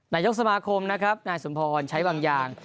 นายกสมาคมนะครับนายสมพรใช้บางอย่าง